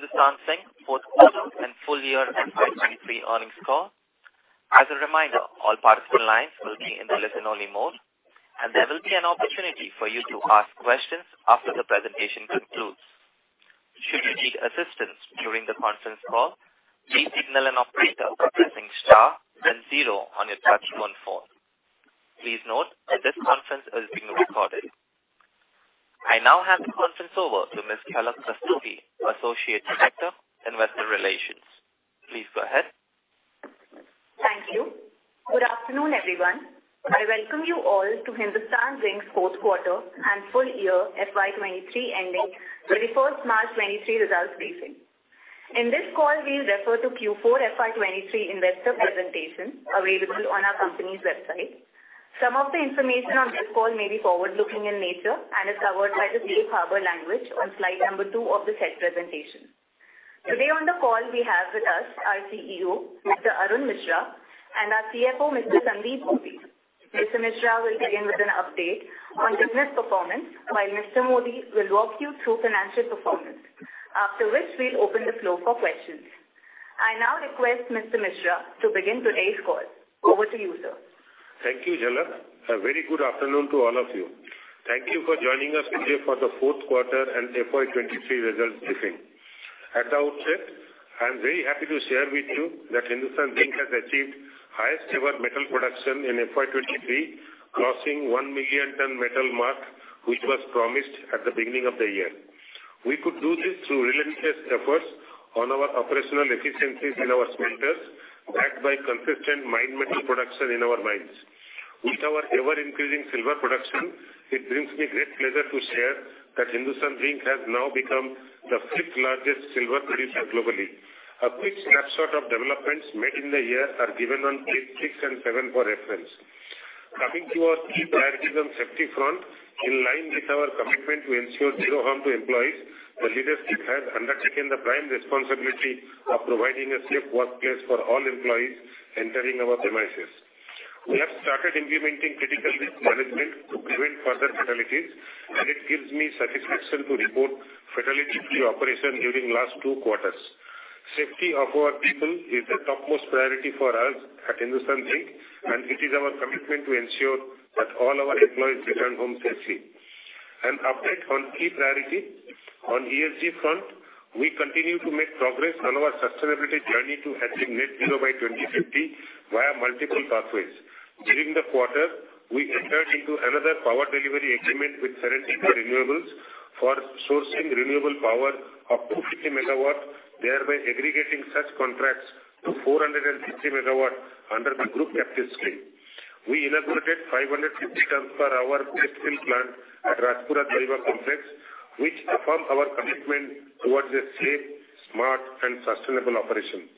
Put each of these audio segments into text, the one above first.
To Hindustan Zinc fourth quarter and full year FY23 earnings call. As a reminder, all participants lines will be in the listen-only mode, and there will be an opportunity for you to ask questions after the presentation concludes. Should you need assistance during the conference call, please signal an operator by pressing star then zero on your touchtone phone. Please note that this conference is being recorded. I now hand the conference over to Ms. Jhalak Rastogi, Associate Director, Investor Relations. Please go ahead. Thank you. Good afternoon, everyone. I welcome you all to Hindustan Zinc's fourth quarter and full year FY23 ending 31st March 2023 results briefing. In this call, we refer to Q4 FY23 investor presentation available on our company's website. Some of the information on this call may be forward-looking in nature and is covered by the Safe Harbor language on slide number 2 of the said presentation. Today on the call we have with us our CEO, Mr. Arun Misra, and our CFO, Mr. Sandeep Modi. Mr. Misra will begin with an update on business performance while Mr. Modi will walk you through financial performance. After which we'll open the floor for questions. I now request Mr. Misra to begin today's call. Over to you, sir. Thank you, Jala. A very good afternoon to all of you. Thank you for joining us today for the fourth quarter and FY23 results briefing. At the outset, I am very happy to share with you that Hindustan Zinc has achieved highest ever metal production in FY23, crossing 1 million ton metal mark which was promised at the beginning of the year. We could do this through relentless efforts on our operational efficiencies in our smelters backed by consistent mine metal production in our mines. With our ever-increasing silver production, it brings me great pleasure to share that Hindustan Zinc has now become the fifth-largest silver producer globally. A quick snapshot of developments made in the year are given on page six and seven for reference. Coming to our key priorities on safety front, in line with our commitment to ensure zero harm to employees, the leadership has undertaken the prime responsibility of providing a safe workplace for all employees entering our premises. We have started implementing critical risk management to prevent further fatalities, and it gives me satisfaction to report fatality-free operation during last 2 quarters. Safety of our people is the topmost priority for us at Hindustan Zinc, and it is our commitment to ensure that all our employees return home safely. An update on key priority. On ESG front, we continue to make progress on our sustainability journey to achieve net zero by 2050 via multiple pathways. During the quarter, we entered into another power delivery agreement with Serentica Renewables for sourcing renewable power up to 50 megawatts, thereby aggregating such contracts to 450 megawatts under the group captive scheme. We inaugurated 550 ton per hour electrical plant at Rajpura Dariba Complex which affirms our commitment towards a safe, smart and sustainable operation.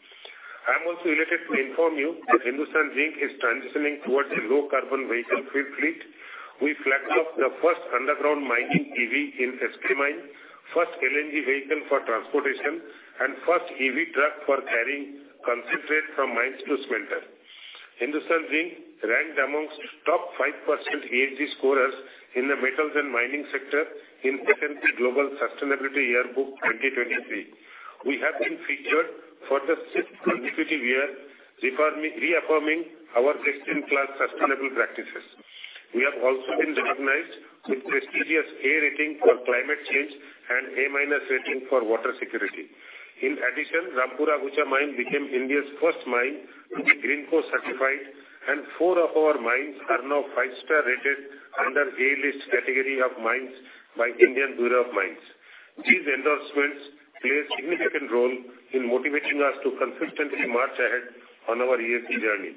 I am also delighted to inform you that Hindustan Zinc is transitioning towards a low carbon vehicle fleet. We flagged off the first underground mining EV in HP mine, first LNG vehicle for transportation and first EV truck for carrying concentrate from mines to smelter. Hindustan Zinc ranked amongst top 5% ESG scorers in the metals and mining sector in FTSE Global Sustainability Yearbook 2023. We have been featured for the sixth consecutive year reaffirming our best-in-class sustainable practices. We have also been recognized with prestigious A rating for climate change and A-minus rating for water security. In addition, Rampura Agucha Mine became India's first mine to be GreenCo certified, and four of our mines are now five-star rated under A-list category of mines by Indian Bureau of Mines. These endorsements play a significant role in motivating us to consistently march ahead on our ESG journey.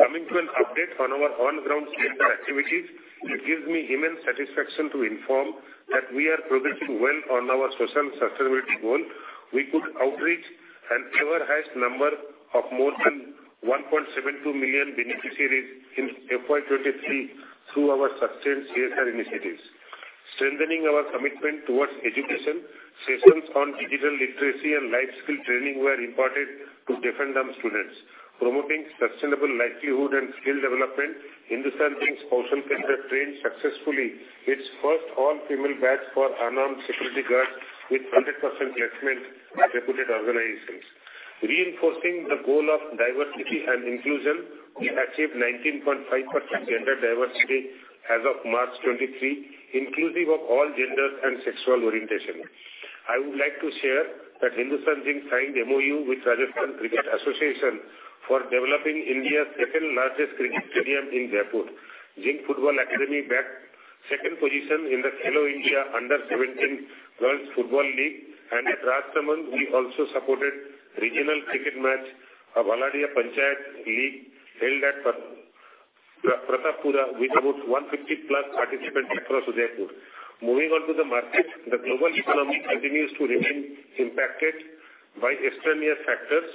Coming to an update on our on-ground CSR activities, it gives me immense satisfaction to inform that we are progressing well on our social sustainability goal. We could outreach an ever highest number of more than 1.72 million beneficiaries in FY23 through our sustained CSR initiatives. Strengthening our commitment towards education, sessions on digital literacy and life skill training were imparted to different students. Promoting sustainable livelihood and skill development, Hindustan Zinc's social center trained successfully its first all-female batch for unarmed security guards with 100% placement in reputed organizations. Reinforcing the goal of diversity and inclusion, we achieved 19.5% gender diversity as of March 2023, inclusive of all genders and sexual orientation. I would like to share that Hindustan Zinc signed MoU with Rajasthan Cricket Association for developing India's second-largest cricket stadium in Jaipur. Zinc Football Academy bagged second position in the Khelo India under 17 World Football League. At Rajsamand we also supported regional cricket match of Aladia Panchayat League held at Pratapgarh with about 150+ participants across Udaipur. Moving on to the market. The global economy continues to remain impacted by extraneous factors.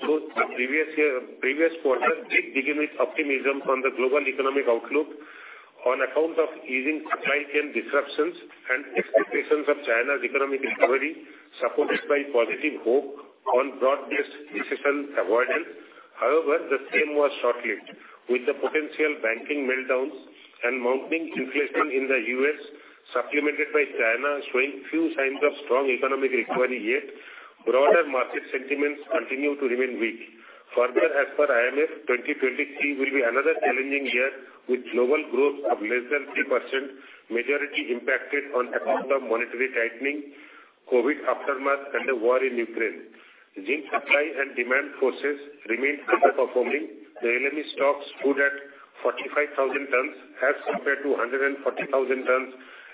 Though the previous quarter did begin with optimism on the global economic outlook on account of easing supply chain disruptions and expectations of China's economic recovery supported by positive hope on broad-based recession avoidance. However, the same was short-lived with the potential banking meltdowns and mounting inflation in the U.S., supplemented by China showing few signs of strong economic recovery yet. Broader market sentiments continue to remain weak. Further, as per IMF, 2023 will be another challenging year with global growth of less than 3%, majority impacted on account of monetary tightening, COVID aftermath, and the war in Ukraine. Zinc supply and demand forces remain underperforming. The LME stocks stood at 45,000 tons as compared to 140,000 tons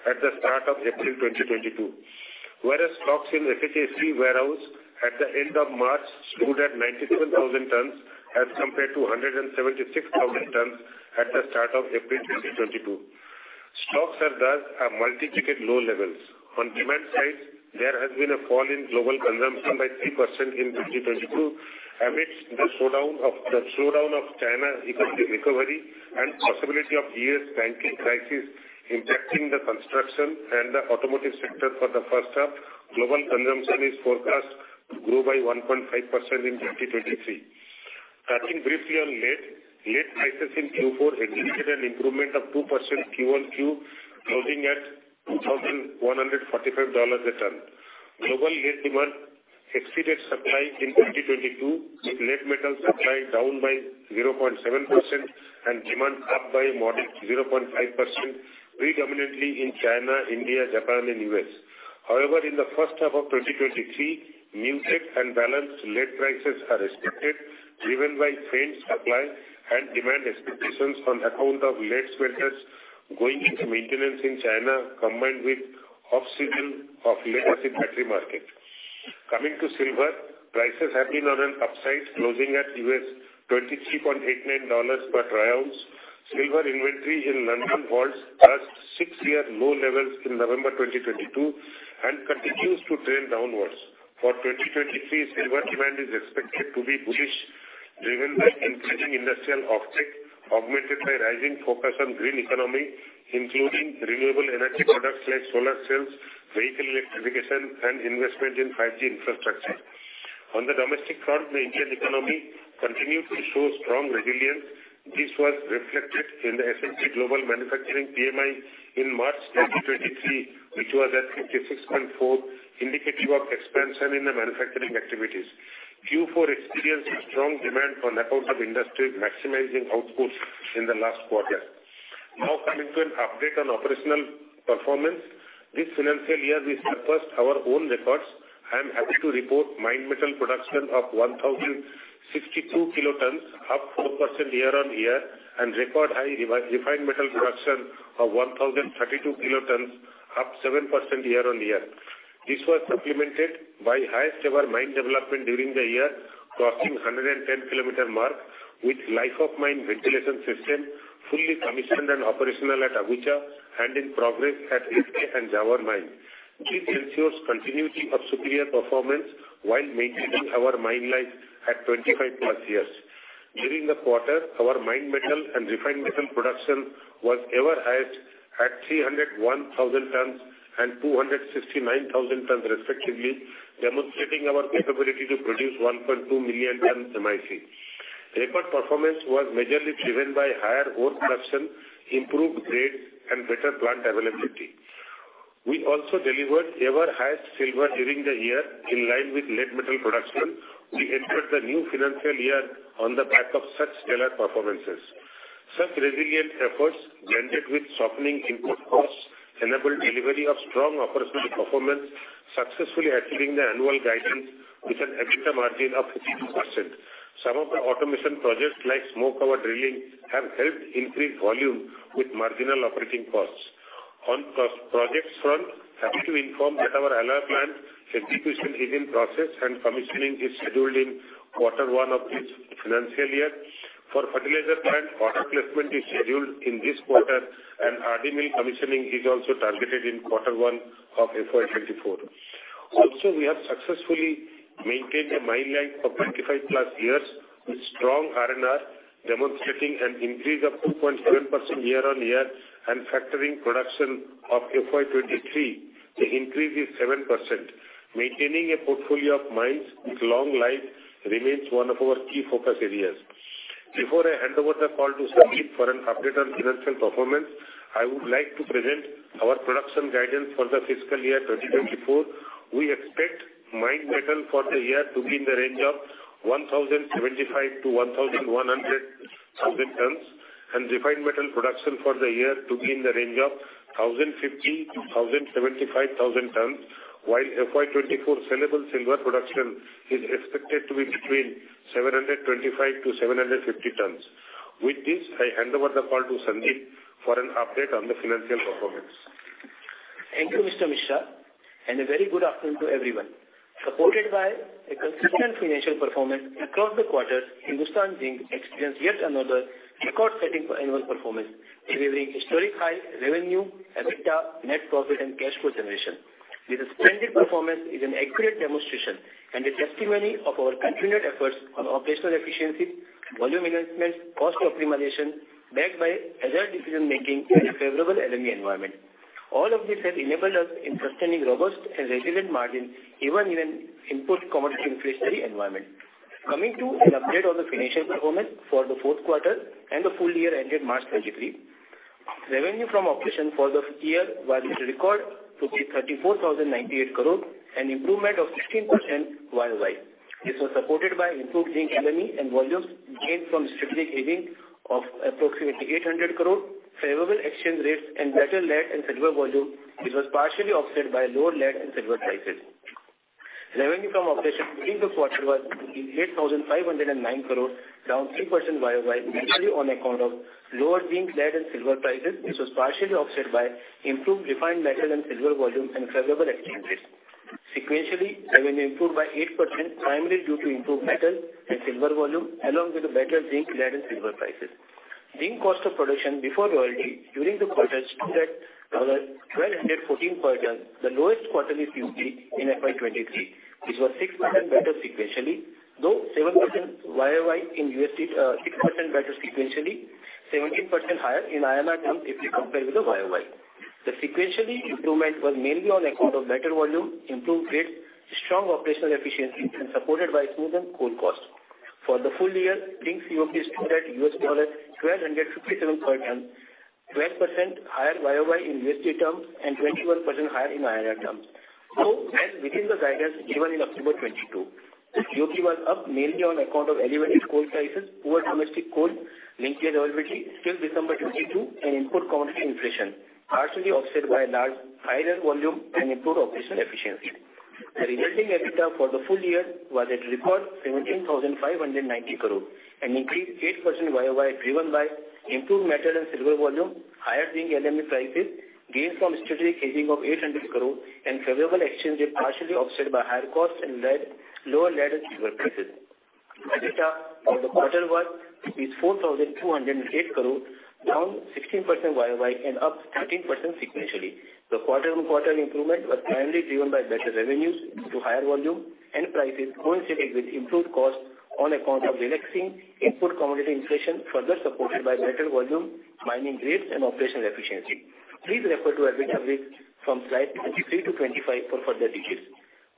at the start of April 2022. Stocks in [SHFE] warehouse at the end of March stood at 97,000 tons as compared to 176,000 tons at the start of April 2022. Stocks are thus at multi-decade low levels. On demand side, there has been a fall in global consumption by 3% in 2022 amidst the slowdown of China economic recovery and possibility of U.S. banking crisis impacting the construction and the automotive sector for the first half. Global consumption is forecast to grow by 1.5% in 2023. Touching briefly on lead. Lead prices in Q4 exhibited an improvement of 2% Q-on-Q closing at $2,145 a ton. Global lead demand exceeded supply in 2022, with lead metal supply down by 0.7% and demand up by a modest 0.5%, predominantly in China, India, Japan, and U.S. In the first half of 2023, muted and balanced lead prices are expected, driven by changed supply and demand expectations on account of lead smelters going into maintenance in China, combined with off-season of lead acid battery market. Coming to silver. Prices have been on an upside, closing at $23.89 per troy ounce. Silver inventory in London vaults touched six-year low levels in November 2022 and continues to trend downwards. For 2023, silver demand is expected to be bullish, driven by increasing industrial offtake, augmented by rising focus on green economy, including renewable energy products like solar cells, vehicle electrification, and investment in 5G infrastructure. On the domestic front, the Indian economy continued to show strong resilience. This was reflected in the S&P Global Manufacturing PMI in March 2023, which was at 56.4, indicative of expansion in the manufacturing activities. Q4 experienced a strong demand on account of industries maximizing outputs in the last quarter. Coming to an update on operational performance. This financial year, we surpassed our own records and happy to report mined metal production of 1,062 kilotons, up 4% year-over-year and record high refined metal production of 1,032 kilotons, up 7% year-over-year. This was supplemented by highest ever mine development during the year, crossing 110 kilometer mark, with life of mine ventilation system fully commissioned and operational at Agucha and in progress at SK and Zawar mine. This ensures continuity of superior performance while maintaining our mine life at 25+ years. During the quarter, our mined metal and refined metal production was ever highest at 301,000 tons and 269,000 tons respectively, demonstrating our capability to produce 1.2 million tons MIC. Record performance was majorly driven by higher ore production, improved grades, and better plant availability. We also delivered ever highest silver during the year in line with lead metal production. We entered the new financial year on the back of such stellar performances. Such resilient efforts blended with softening input costs enabled delivery of strong operational performance, successfully achieving the annual guidance with an EBITDA margin of 52%. Some of the automation projects like stope cover drilling have helped increase volume with marginal operating costs. Projects front, happy to inform that our alloy plant execution is in process and commissioning is scheduled in Q1 of this financial year. For fertilizer plant, order placement is scheduled in this quarter, and RD Mill commissioning is also targeted in Q1 of FY 2024. Also, we have successfully maintained a mine life of 25+ years with strong R&R, demonstrating an increase of 2.7% year-on-year and factoring production of FY 2023, the increase is 7%. Maintaining a portfolio of mines with long life remains one of our key focus areas. Before I hand over the call to Sandeep for an update on financial performance, I would like to present our production guidance for the fiscal year 2024. We expect mined metal for the year to be in the range of 1,075-1,100 thousand tons, and refined metal production for the year to be in the range of 1,050-1,075 thousand tons, while FY 2024 sellable silver production is expected to be between 725-750 tons. With this, I hand over the call to Sandeep for an update on the financial performance. Thank you, Mr. Misra, a very good afternoon to everyone. Supported by a consistent financial performance across the quarters, Hindustan Zinc experienced yet another record-setting annual performance, delivering historic high revenue, EBITDA, net profit, and cash flow generation. This splendid performance is an accurate demonstration and a testimony of our continued efforts on operational efficiency, volume enhancements, cost optimization, backed by agile decision-making and a favorable LME environment. All of this has enabled us in sustaining robust and resilient margins even in an input commodity inflationary environment. Coming to an update on the financial performance for the fourth quarter and the full year ended March 2023. Revenue from operation for the year was recorded to be 34,098 crore, an improvement of 16% YOY. This was supported by improved zinc LME and volumes gained from strategic hedging of approximately 800 crore, favorable exchange rates and better lead and silver volume. It was partially offset by lower lead and silver prices. Revenue from operation during the quarter was 8,509 crore, down 3% YOY, mainly on account of lower zinc, lead and silver prices, which was partially offset by improved refined metal and silver volume and favorable exchange rates. Sequentially, revenue improved by 8% primarily due to improved metal and silver volume along with the better zinc, lead and silver prices. Zinc cost of production before royalty during the quarter stood at 1,214 per ton, the lowest quarterly COP in FY 2023, which was 6% better sequentially, though 7% YOY in USD, 17% higher in INR terms if you compare with the YOY. The sequentially improvement was mainly on account of better volume, improved grades, strong operational efficiency and supported by smoother coal cost. For the full year, zinc COP stood at US dollar 1,257 per ton, 12% higher YOY in USD terms and 21% higher in INR terms, though well within the guidance given in October 2022. The COP was up mainly on account of elevated coal prices, poor domestic coal linkage availability till December 2022, and input commodity inflation partially offset by large higher volume and improved operational efficiency. The resulting EBITDA for the full year was at record 17,590 crore, an increase 8% YOY driven by improved metal and silver volume, higher zinc LME prices, gains from strategic hedging of 800 crore and favorable exchange rate partially offset by higher costs and lead, lower lead and silver prices. EBITDA for the quarter was 4,208 crore, down 16% YOY and up 13% sequentially. The quarter-on-quarter improvement was primarily driven by better revenues due to higher volume and prices coincided with improved cost on account of relaxing input commodity inflation, further supported by better volume, mining grades and operational efficiency. Please refer to EBITDA bridge from slide 23 to 25 for further details.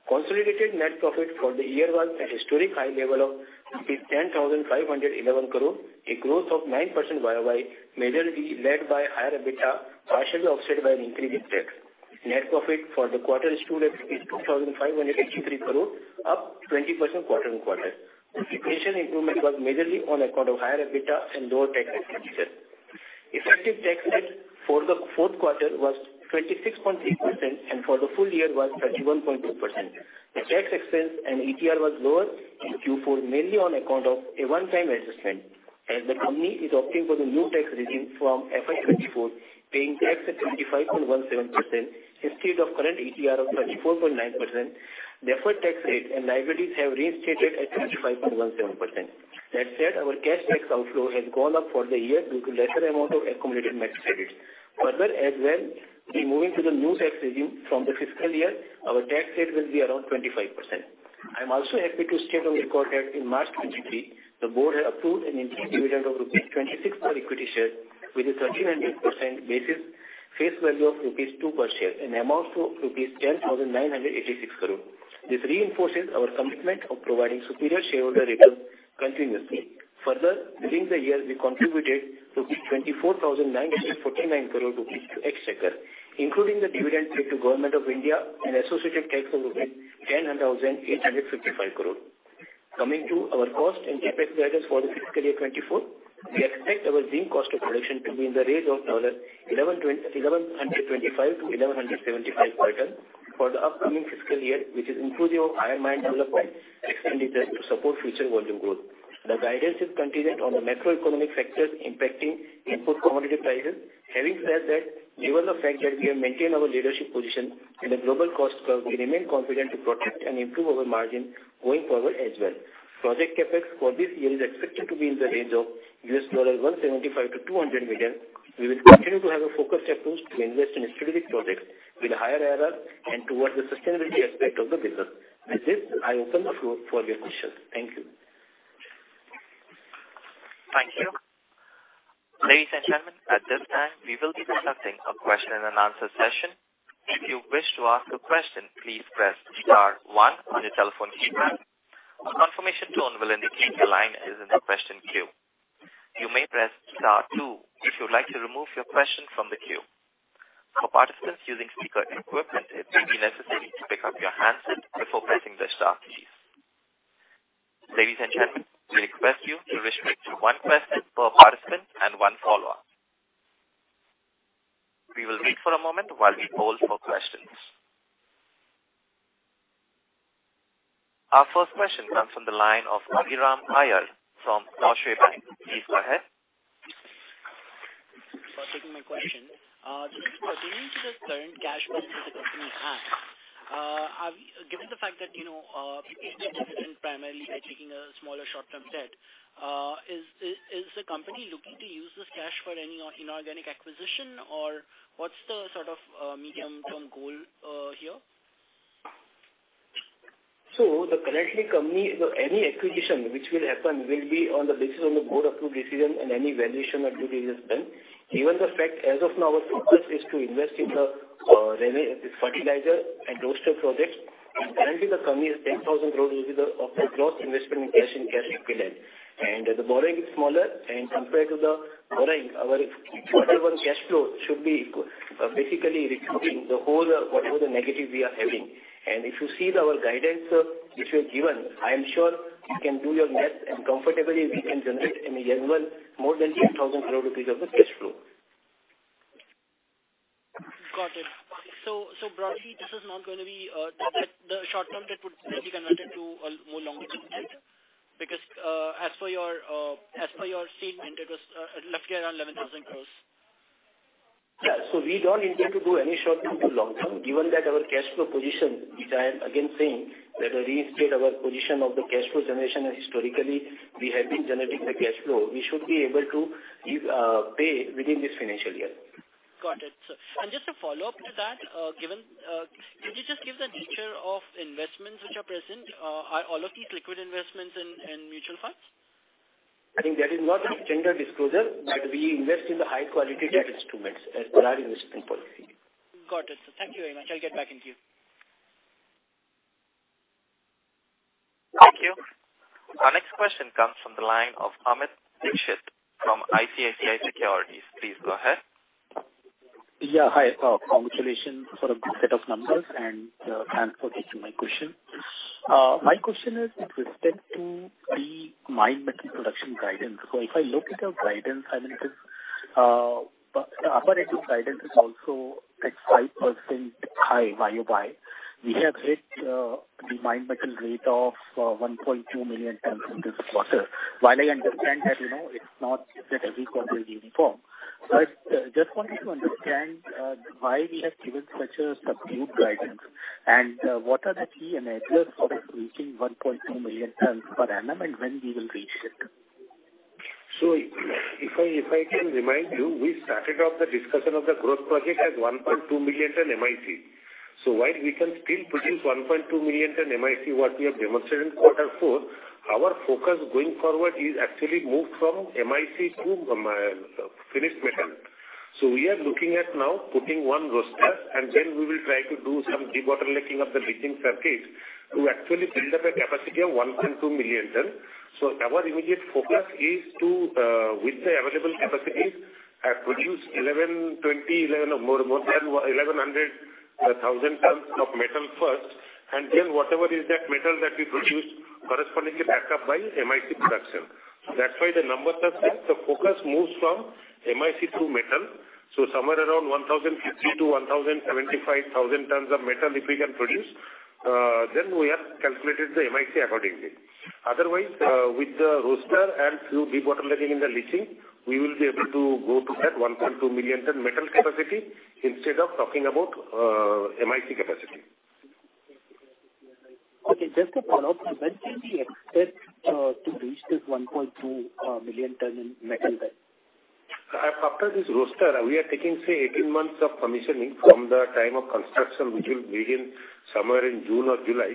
Consolidated net profit for the year was a historic high level of rupees 10,511 crore, a growth of 9% YOY, majorly led by higher EBITDA, partially offset by an increase in tax. Net profit for the quarter stood at INR 2,583 crore, up 20% quarter-on-quarter. The patient improvement was majorly on account of higher EBITDA and lower tax expenses. Effective tax rate for the fourth quarter was 26.8% and for the full year was 31.2%. The tax expense and ETR was lower in Q4 mainly on account of a one-time adjustment. As the company is opting for the new tax regime from FY 2024, paying tax at 25.17% instead of current ETR of 24.9%. Therefore, tax rate and liabilities have reinstated at 25.17%. That said, our cash tax outflow has gone up for the year due to lesser amount of accumulated net credits. Further as well, we're moving to the new tax regime from the fiscal year. Our tax rate will be around 25%. I'm also happy to state on record that in March 2023, the board had approved an interim dividend of rupees 26 per equity share with a 1,300% basis face value of rupees 2 per share in amounts to rupees 10,986 crore. This reinforces our commitment of providing superior shareholder returns continuously. Further, during the year, we contributed 24,949 crore rupees to exchequer, including the dividend paid to Government of India and associated tax of rupees 10,855 crore. Coming to our cost and CapEx guidance for the fiscal year 2024. We expect our zinc cost of production to be in the range of now the 1,125 to 1,175 per ton for the upcoming fiscal year, which is inclusive of iron mine development extended to support future volume growth. The guidance is contingent on the macroeconomic factors impacting input commodity prices. Having said that, given the fact that we have maintained our leadership position in the global cost curve, we remain confident to protect and improve our margin going forward as well. Project CapEx for this year is expected to be in the range of $175 million-$200 million. We will continue to have a focused approach to invest in strategic projects with a higher IRR and towards the sustainability aspect of the business. With this, I open the floor for your questions. Thank you. Thank you. Ladies and gentlemen, at this time, we will be starting a question-and-answer session. If you wish to ask a question, please press star one on your telephone keypad. A confirmation tone will indicate your line is in the question queue. You may press star two if you would like to remove your question from the queue. For participants using speaker equipment, it may be necessary to pick up your handset before pressing the star keys. Ladies and gentlemen, we request you to restrict to one question per participant and one follow-up. We will wait for a moment while we poll for questions. Our first question comes from the line of Abhiram Iyer from Deutsche Bank. Please go ahead. Thanks for taking my question. Just pertaining to the current cash position the company has, Given the fact that, you know, you paid the dividend primarily by taking a smaller short-term debt, is the company looking to use this cash for any or inorganic acquisition or what's the sort of medium-term goal here? The currently company, any acquisition which will happen will be on the basis on the board approved decision and any valuation or due diligence done. Given the fact as of now our focus is to invest in the fertilizer and roaster projects, currently the company has 10,000 crores of gross investment in cash and cash equivalents. The borrowing is smaller and compared to the borrowing, our quarter one cash flow should be basically recouping the whole, whatever the negative we are having. If you see our guidance which we have given, I am sure you can do your math and comfortably we can generate in a year one more than 10,000 crore rupees of the cash flow. Got it. Broadly, this is not gonna be debt that the short term debt would be converted to a more longer term debt because as per your statement, it was roughly around 11,000 crores. Yeah. We don't intend to do any short term to long term. Given that our cash flow position, which I am again saying that we reinstate our position of the cash flow generation and historically we have been generating the cash flow, we should be able to give pay within this financial year. Got it. Just a follow-up to that, given, could you just give the nature of investments which are present? Are all of these liquid investments in mutual funds? I think that is not a tender disclosure, but we invest in the high quality debt instruments as per our investment policy. Got it. Thank you very much. I'll get back into you. Thank you. Our next question comes from the line of Amit Dixit from ICICI Securities. Please go ahead. Yeah. Hi. Congratulations for a good set of numbers, and thanks for taking my question. My question is with respect to the mined metal production guidance. If I look at your guidance, I mean it is, the upper edge of guidance is also at 5% high YOY. We have hit the mine metal rate of 1.2 million tons in this quarter. While I understand that, you know, it's not that every quarter is uniform. Just wanted to understand why we have given such a subdued guidance. And what are the key enablers for reaching 1.2 million tons per annum, and when we will reach it? If I can remind you, we started off the discussion of the growth project as 1.2 million ton MIC. While we can still produce 1.2 million ton MIC, what we have demonstrated in quarter four, our focus going forward is actually moved from MIC to finished metal. We are looking at now putting one roaster and then we will try to do some debottlenecking of the leaching circuits to actually build up a capacity of 1.2 million ton. Our immediate focus is to, with the available capacities, produce more than 1,100 thousand tons of metal first, and then whatever is that metal that we produce correspondingly back up by MIC production. That's why the numbers are set. The focus moves from MIC to metal. Somewhere around 1,050 to 1,075 thousand tons of metal if we can produce, then we have calculated the MIC accordingly. Otherwise, with the roaster and through debottlenecking in the leaching, we will be able to go to that 1.2 million ton metal capacity instead of talking about MIC capacity. Okay, just a follow-up. When can we expect to reach this 1.2 million ton in metal then? After this roaster, we are taking, say, 18 months of commissioning from the time of construction, which will begin somewhere in June or July,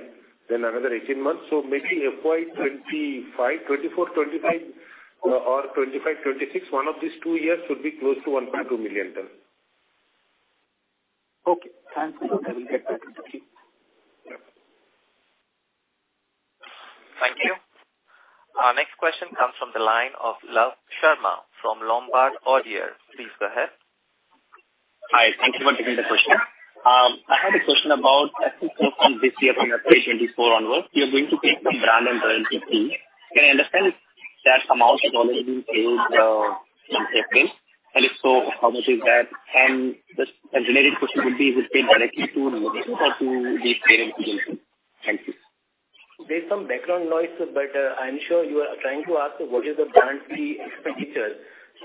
then another 18 months. Maybe FY 2025, 2024-2025 or 2025-2026, one of these two years should be close to 1.2 million ton. Okay. Thanks a lot. I will get back into queue. Thank you. Our next question comes from the line of Love Sharma from Lombard Odier. Please go ahead. Hi. Thank you for taking the question. I had a question about I think from this year from April 2024 onwards, you are going to pay some brand and royalty fee. Can I understand that amount has already been paid in April? If so, how much is that? The engineering question would be, is it directly to There's some background noise, I'm sure you are trying to ask what is the brand fee expenditure.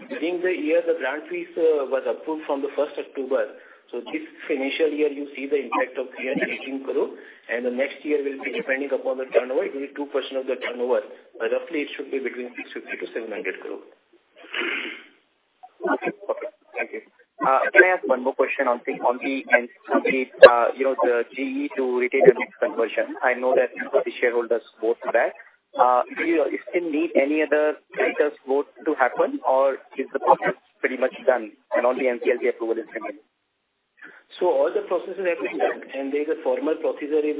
During the year, the brand fees was approved from the 1st October. This financial year you see the impact of 318 crore. The next year will be depending upon the turnover. It will be 2% of the turnover. Roughly it should be between 650-700 crore. Okay. Okay. Thank you. Can I ask one more question on the, on the, you know, the GE to ITM conversion? I know that the shareholders vote for that. Do you still need any other stakeholders vote to happen, or is the process pretty much done and only NCLT approval is pending? All the processes have been done and there is a formal procedure is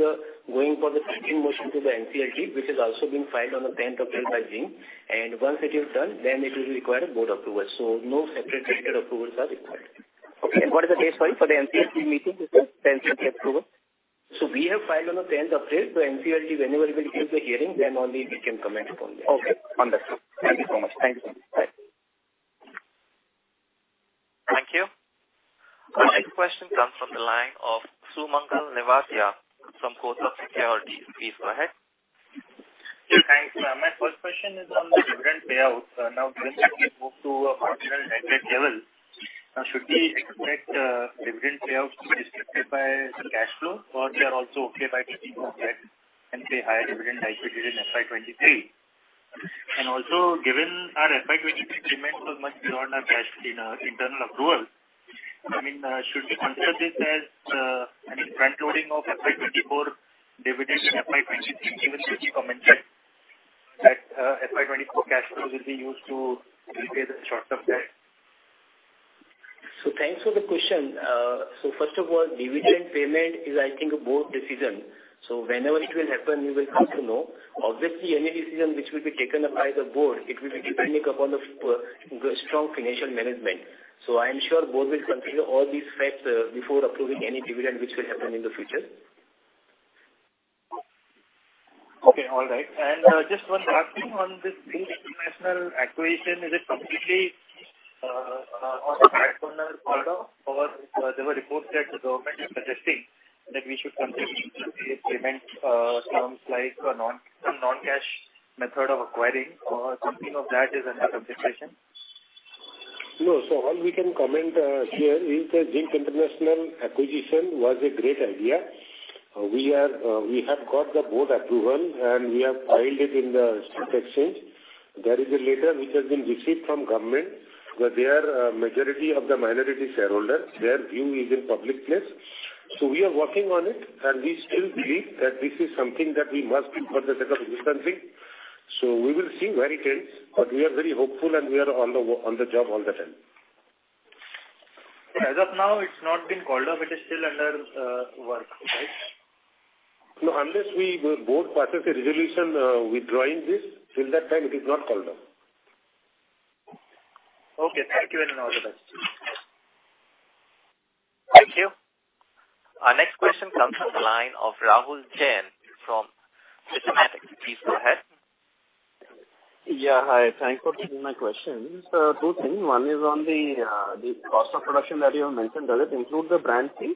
going for the second motion to the NCLT, which has also been filed on the tenth of April by Hindustan Zinc. Once it is done, then it will require a board approval. No separate stated approvals are required. Okay. What is the base, sorry, for the NCLT meeting with the NCLT approval? We have filed on the tenth of April. NCLT, whenever will give the hearing, then only we can comment on that. Okay. Understood. Thank you so much. Thank you. Bye. Thank you. Our next question comes from the line of Sumangal Nevatia from Kotak Securities. Please go ahead. Yeah, thanks. My first question is on the dividend payout. Now dividends will be moved to a marginal net debt level. Now should we expect, dividend payouts to be restricted by the cash flow, or they are also okay by taking more debt and pay higher dividend like we did in FY 2023? Given our FY 2023 remains so much beyond our cash in our internal approval, I mean, should we consider this as, I mean, frontloading of FY 2024 dividend in FY 2023, given [Sandeep] commented that, FY 2024 cash flows will be used to repay the short-term debt? Thanks for the question. First of all, dividend payment is I think a board decision. Whenever it will happen, you will come to know. Obviously, any decision which will be taken up by the board, it will be dependent upon the strong financial management. I am sure board will consider all these facts before approving any dividend which will happen in the future. Okay, all right. Just one last thing on this Zinc International acquisition. Is it completely on the back burner or there were reports that the government is suggesting that we should continue with the payment terms like a non-cash method of acquiring or something of that is under consideration? No. All we can comment here is that Zinc International acquisition was a great idea. We are, we have got the board approval, and we have filed it in the stock exchange. There is a letter which has been received from Government, where they are a majority of the minority shareholder. Their view is in public place. We are working on it, and we still believe that this is something that we must do for the sake of Hindustan Zinc. We will see where it ends, but we are very hopeful and we are on the job all the time. As of now, it's not been called off, it is still under work, right? No, unless we, the board passes a resolution, withdrawing this, till that time it is not called off. Okay, thank you, and all the best. Thank you. Our next question comes from the line of Rahul Jain from Citigroup. Please go ahead. Yeah, hi. Thanks for taking my questions. Two things. One is on the cost of production that you have mentioned, does it include the brand fee?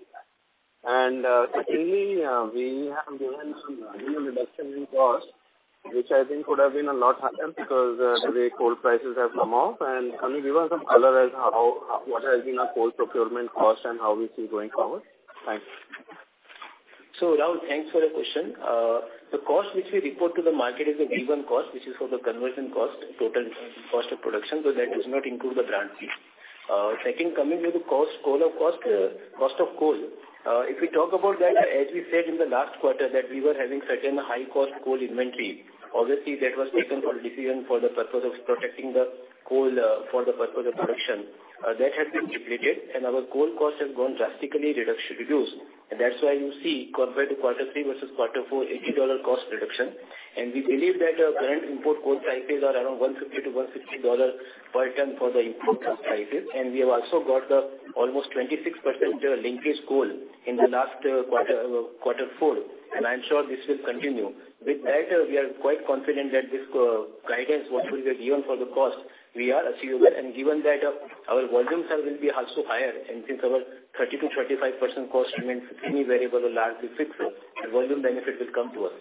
Secondly, we have given some annual reduction in cost, which I think could have been a lot higher because the way coal prices have come off. Can you give us some color as how, what has been our coal procurement cost and how we see going forward? Thanks. Rahul, thanks for the question. The cost which we report to the market is the given cost. This is for the conversion cost, total cost of production, that does not include the brand fee. Second, coming to the cost of coal. If we talk about that, as we said in the last quarter, that we were having certain high cost coal inventory. Obviously, that was taken for decision for the purpose of protecting the coal for the purpose of production. That has been depleted and our coal cost has gone drastically reduced. That's why you see compared to quarter three versus quarter four, $80 cost reduction. We believe that current import coal prices are around $150-$160 per ton for the import prices. We have also got the almost 26% linkage coal in the last quarter four. I'm sure this will continue. With that, we are quite confident that this guidance what we have given for the cost, we are achievable. Given that, our volumes will be also higher, and since our 30%-35% cost remains semi-variable or largely fixed, the volume benefit will come to us.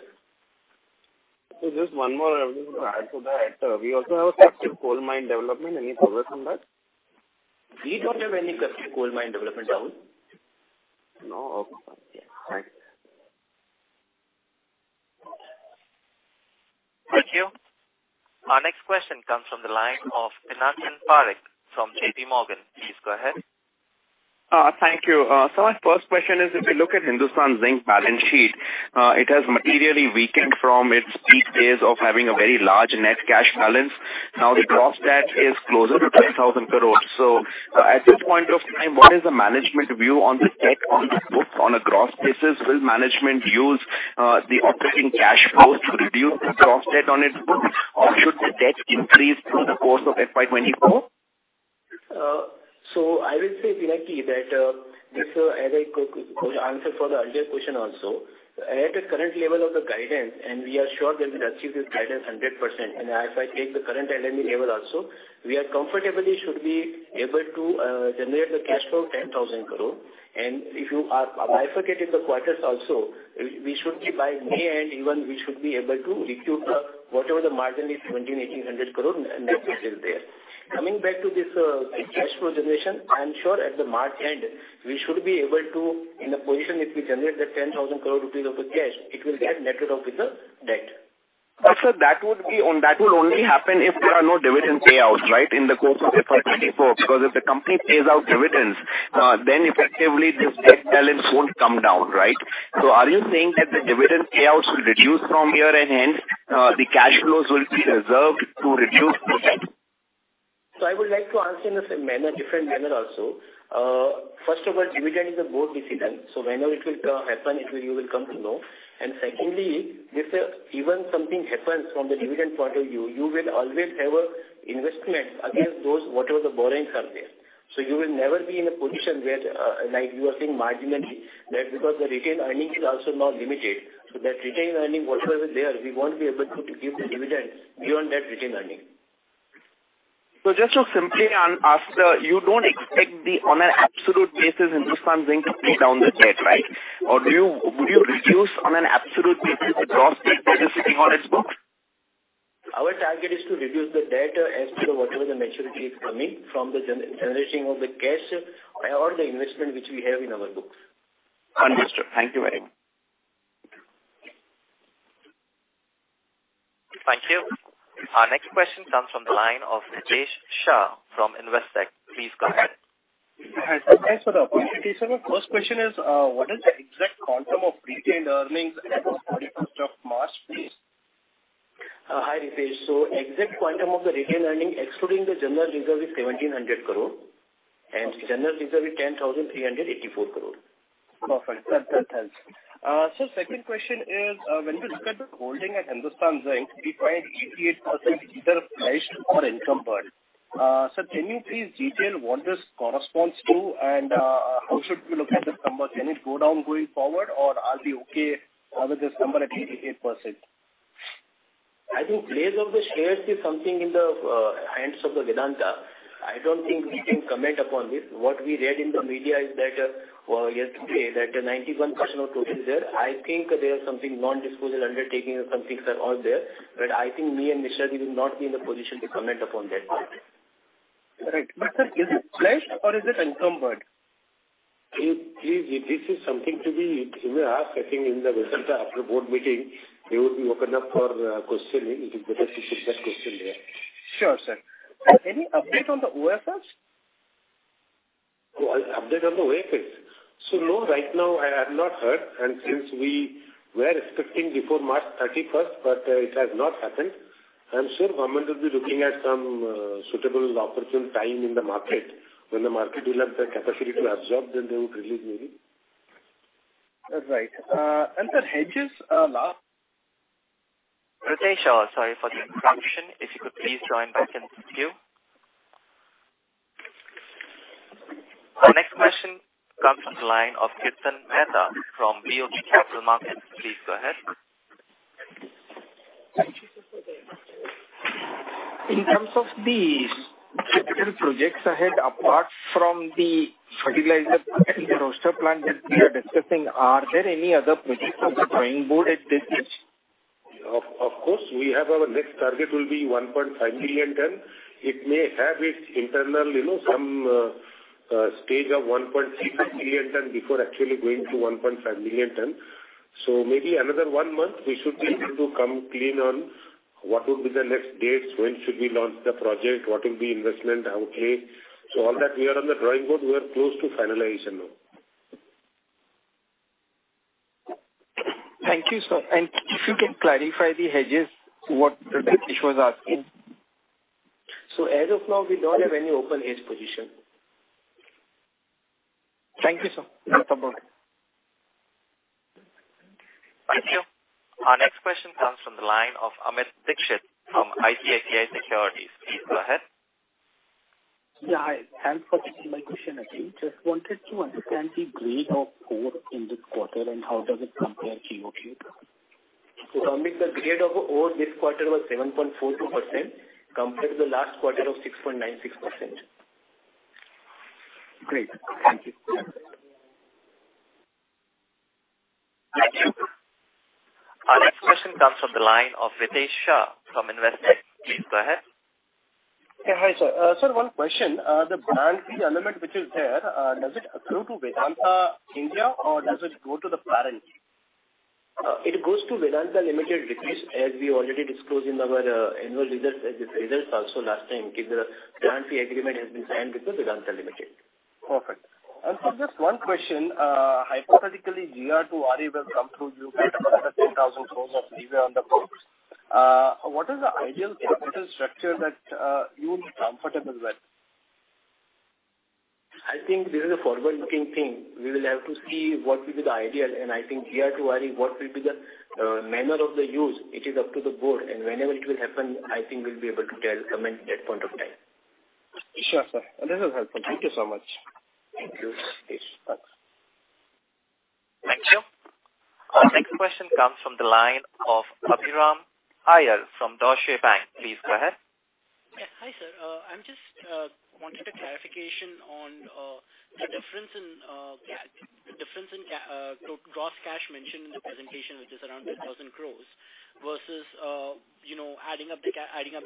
Just one more I want to add to that. We also have a captive coal mine development. Any progress on that? We don't have any captive coal mine development, Rahul. No. Okay. Thanks. Thank you. Our next question comes from the line of Pinakin Parekh from JPMorgan. Please go ahead. Thank you. My first question is, if you look at Hindustan Zinc balance sheet, it has materially weakened from its peak days of having a very large net cash balance. Now, the gross debt is closer to 10,000 crore. At this point of time, what is the management view on the debt on the books on a gross basis? Will management use the operating cash flow to reduce the gross debt on its books or should the debt increase through the course of FY 2024? I will say, Pinakin, that this, as I answer for the earlier question also. At the current level of the guidance, we are sure that we'll achieve this guidance 100%. If I take the current LME level also, we are comfortably should be able to generate the cash flow 10,000 crore. If you are bifurcating the quarters also, we should be by May end even, we should be able to recoup whatever the margin is, 1,700-1,800 crore, and that is still there. Coming back to this cash flow generation, I am sure at the March end, we should be able to, in a position if we generate that 10,000 crore rupees of the cash, it will get netted off with the debt. Sir, that will only happen if there are no dividend payouts, right, in the course of FY 2024. If the company pays out dividends, effectively this debt balance won't come down, right? Are you saying that the dividend payouts will reduce from here and hence, the cash flows will be reserved to reduce the debt? I would like to answer in the same manner, different manner also. First of all, dividend is a board decision, whenever it will happen, you will come to know. Secondly, if even something happens from the dividend point of view, you will always have a investment against those, whatever the borrowings are there. You will never be in a position where, like you are saying marginally, that because the retained earnings is also now limited. That retained earning whatsoever is there, we won't be able to give the dividends beyond that retained earning. just to simply ask, you don't expect on an absolute basis Hindustan Zinc to pay down the debt, right? do you, would you reduce on an absolute basis the gross debt that is sitting on its books? Our target is to reduce the debt as per whatever the maturity is coming from the generating of the cash or the investment which we have in our books. Understood. Thank you very much. Thank you. Our next question comes from the line of Ritesh Shah from Investec. Please go ahead. Hi, sir. Thanks for the opportunity, sir. My first question is, what is the exact quantum of retained earnings as of 31st of March, please? Hi, Ritesh. exact quantum of the retained earning excluding the general reserve is 1,700 crore and general reserve is 10,384 crore. Perfect. That helps. Second question is, when we look at the holding at Hindustan Zinc, we find 88% either pledged or encumbered. Can you please detail what this corresponds to and, how should we look at this number? Can it go down going forward, or are we okay with this number at 88%? I think pledge of the shares is something in the hands of Vedanta. I don't think we can comment upon this. What we read in the media is that yesterday that 91% of total is there. I think there's something non-disclosure undertaking or some things are all there. I think me and Nishad, we will not be in a position to comment upon that part. Right. Sir, is it pledged or is it encumbered? Please, please. This is something to be, you may ask, I think, in the Vedanta after board meeting. They would be open up for questioning. It is better to keep that question there. Sure, sir. Any update on the OFS? Update on the OFS. No, right now I have not heard. Since we were expecting before March 31st, but it has not happened. I'm sure government will be looking at some suitable opportune time in the market. When the market will have the capacity to absorb, they would release maybe. That's right. sir, hedges. Ritesh Shah, sorry for the interruption. If you could please join back in the queue. Our next question comes from the line of Kirtan Mehta from BOB Capital Markets. Please go ahead. In terms of the capital projects ahead, apart from the fertilizer and the roaster plant that we are discussing, are there any other projects on the drawing board at this stage? Of course, we have our next target will be 1.5 million ton. It may have its internal, you know, some stage of 1.6 million ton before actually going to 1.5 million ton. Maybe another one month we should be able to come clean on what will be the next dates, when should we launch the project, what will be investment outlay. All that we are on the drawing board. We are close to finalization now. Thank you, sir. If you can clarify the hedges, what Ritesh was asking. As of now, we don't have any open hedge position. Thank you, sir. No problem. Thank you. Our next question comes from the line of Amit Dixit from ICICI Securities. Please go ahead. Yeah, hi. Thanks for taking my question again. Just wanted to understand the grade of ore in this quarter and how does it compare Q-over-Q? Amit, the grade of ore this quarter was 7.42% compared to the last quarter of 6.96%. Great. Thank you. Thank you. Our next question comes from the line of Ritesh Shah from Investec. Please go ahead. Yeah, hi, sir. Sir, one question. The brand fee element which is there, does it accrue to Vedanta India or does it go to the parent? it goes to Vedanta Limited directly as we already disclosed in our annual results, as the results also last time gave the brand fee agreement has been signed with the Vedanta Limited. Perfect. Sir, just one question. Hypothetically, GR to RE will come to you with another 10,000 crores of reserve on the books. What is the ideal capital structure that you will be comfortable with? I think this is a forward-looking thing. We will have to see what will be the ideal. I think GR to RE, what will be the manner of the use, it is up to the board. Whenever it will happen, I think we'll be able to tell, comment that point of time. Sure, sir. This is helpful. Thank you so much. Thank you, Ritesh. Thanks. Thank you. Our next question comes from the line of Abhiram Iyer from Deutsche Bank. Please go ahead. Yeah. Hi, sir. I'm just wanted a clarification on the difference in gross cash mentioned in the presentation, which is around 10,000 crores, versus, you know, adding up the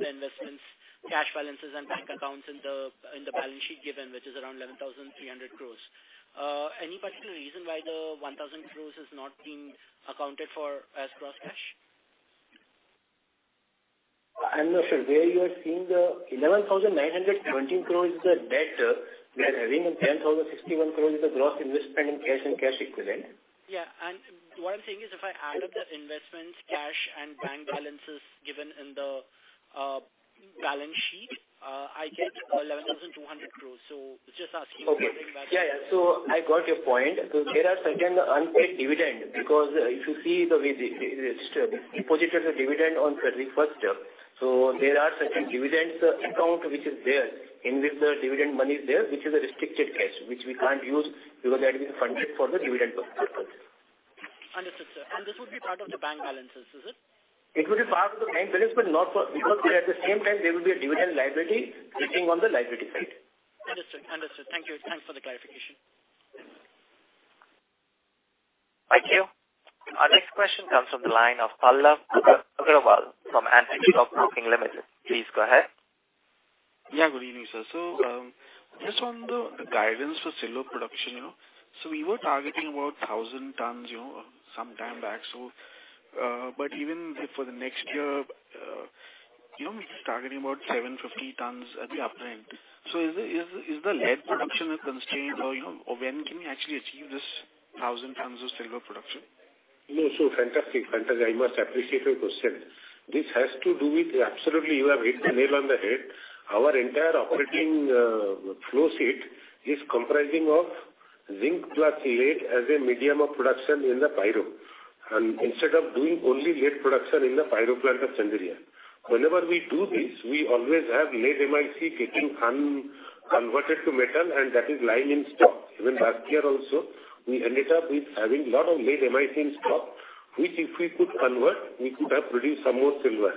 investments, cash balances and bank accounts in the balance sheet given, which is around 11,300 crores. Any particular reason why the 1,000 crores has not been accounted for as gross cash? I'm not sure where you are seeing the... 11,920 crores is the debt we are having, and 10,061 crores is the gross investment in cash and cash equivalent. Yeah. What I'm saying is if I add up the investments, cash and bank balances given in the balance sheet, I get 11,200 crores. Just asking. Okay. You to think about it. Yeah, yeah. I got your point. There are certain unpaid dividend because if you see the way they, it is deposited the dividend on February first. There are certain dividends account which is there, in which the dividend money is there, which is a restricted cash, which we can't use because that is funded for the dividend purpose. Understood, sir. This would be part of the bank balances, is it? It will be part of the bank balance. At the same time there will be a dividend liability sitting on the liability side. Understood. Understood. Thank you. Thanks for the clarification. Thank you. Our next question comes from the line of Pallav Agarwal from Antique Stock Broking Limited. Please go ahead. Yeah, good evening, sir. Just on the guidance for silver production, you know. We were targeting about 1,000 tons, you know, some time back, but even for the next year, you know, we're targeting about 750 tons at the upfront. Is the lead production a constraint or, you know, or when can we actually achieve this 1,000 tons of silver production? No. fantastic. I must appreciate your question. This has to do with. Absolutely, you have hit the nail on the head. Our entire operating flow sheet is comprising of zinc plus lead as a medium of production in the pyro. Instead of doing only lead production in the pyro plant of Chanderia. Whenever we do this, we always have lead MIC getting un-converted to metal, and that is lying in stock. Even last year also, we ended up with having a lot of lead MIC in stock, which if we could convert, we could have produced some more silver.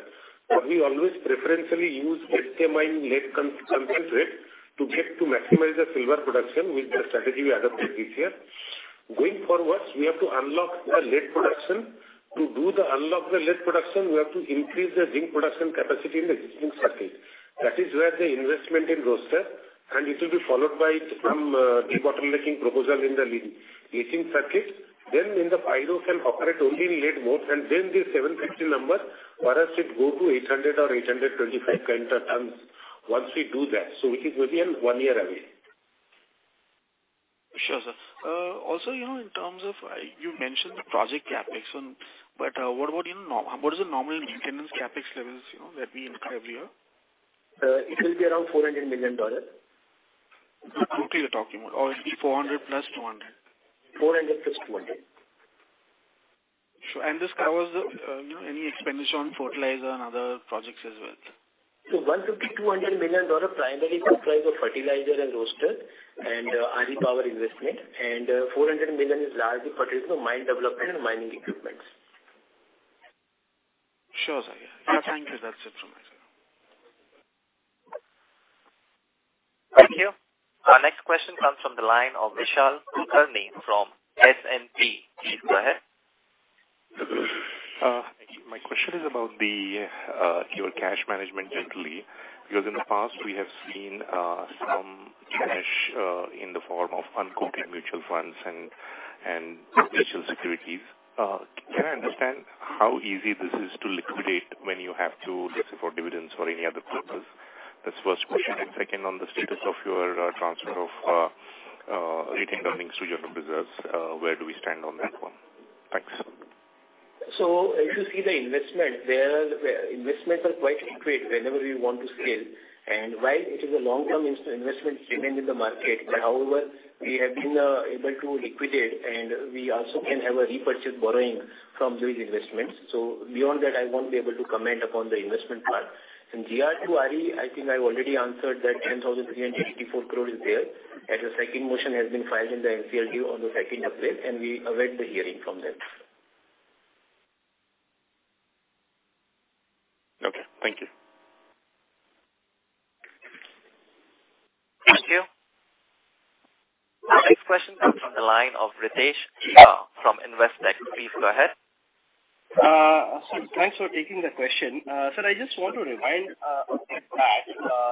We always preferentially use SMIM lead concentrate to get to maximize the silver production with the strategy we adopted this year. Going forwards, we have to unlock the lead production. To do the unlock the lead production, we have to increase the zinc production capacity in the existing circuit. That is where the investment in roaster, and it will be followed by some debottlenecking proposal in the lead heating circuit. In the pyro can operate only in lead mode, and then the 750 number for us, it go to 800 or 825 kinds of tons once we do that. It will be in one year away. Sure, sir. Also, you know, in terms of, you mentioned the project CapEx and, but, what about What is the normal maintenance CapEx levels, you know, that we incur every year? It will be around $400 million. Total you're talking about, or it'll be 400 plus 200? 400 plus 200. Sure. This covers, you know, any expenditure on fertilizer and other projects as well, sir. $150 million-$200 million primarily comprise of fertilizer and roaster and captive power investment, and $400 million is largely for, you know, mine development and mining equipments. Sure, sir. Yeah. Thank you. That's it from my side. Thank you. Our next question comes from the line of Vishal Kulkarni from S&P. Please go ahead. Thank you. My question is about the your cash management generally, because in the past we have seen some cash in the form of unquoted mutual funds and digital securities. Can I understand how easy this is to liquidate when you have to, let's say, for dividends or any other purposes? That's first question. Second, on the status of your transfer of retained earnings to your reserves, where do we stand on that one? Thanks. If you see the investment, there, investments are quite liquid whenever we want to scale. While it is a long-term investment remained in the market, however, we have been able to liquidate, and we also can have a repurchase borrowings from these investments. Beyond that, I won't be able to comment upon the investment part. In GR to RE, I think I've already answered that 10,384 crore is there. The second motion has been filed in the NCLT on the second of late, and we await the hearing from them. Okay. Thank you. Thank you. Our next question comes from the line of Ritesh Shah from Investec. Please go ahead. Sir, thanks for taking the question. Sir, I just want to rewind a bit back.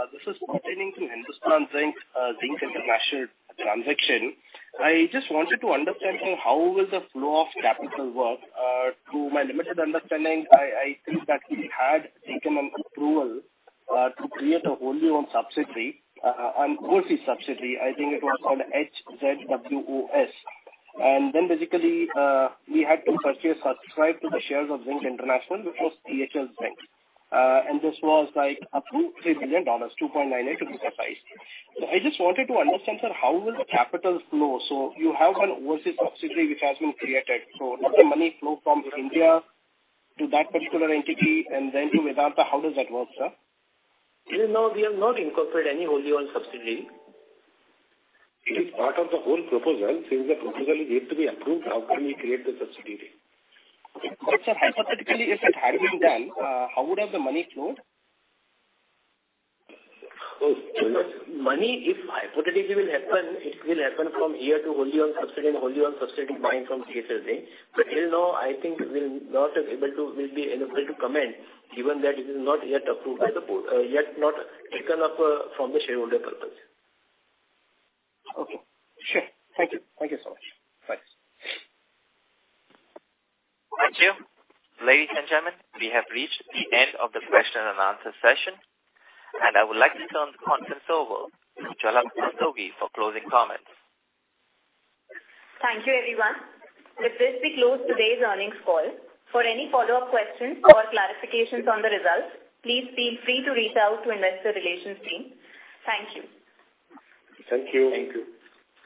This is pertaining to Hindustan Zinc International transaction. I just wanted to understand, sir, how will the flow of capital work? To my limited understanding, I think that we had taken an approval to create a wholly owned subsidiary, an overseas subsidiary. I think it was called HZWOS. Then basically, we had to purchase, subscribe to the shares of Zinc International, which was THL Zinc. And this was like up to $3 billion, $2.98 billion, if I'm not mistaken. I just wanted to understand, sir, how will the capital flow? You have an overseas subsidiary which has been created. Will the money flow from India to that particular entity and then to Vedanta? How does that work, sir? Till now we have not incorporated any wholly owned subsidiary. It is part of the whole proposal. Since the proposal is yet to be approved, how can we create the subsidiary? Sir, hypothetically, if it had been done, how would have the money flowed? Money, if hypothetically will happen, it will happen from here to wholly owned subsidiary, and wholly owned subsidiary buying from THL Zinc. Till now, I think we'll be unable to comment given that it is not yet approved by the board, yet not taken up from the shareholder purpose. Okay. Sure. Thank you. Thank you so much. Bye. Thank you. Ladies and gentlemen, we have reached the end of the question and answer session, and I would like to turn the conference over to Jhalak Rastogi for closing comments. Thank you everyone. With this, we close today's earnings call. For any follow-up questions or clarifications on the results, please feel free to reach out to Investor Relations team. Thank you. Thank you. Thank you.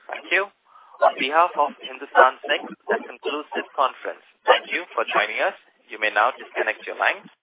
Thank you. On behalf of Hindustan Zinc, this concludes this conference. Thank you for joining us. You may now disconnect your line.